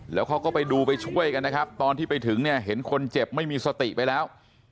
แล้วเขาก็ไปดูไปช่วยกันนะครับตอนที่ไปถึงเนี่ยเห็นคนเจ็บไม่มีสติไปแล้ว